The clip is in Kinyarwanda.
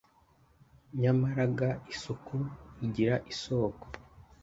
Nyamara ga isuku igira isoko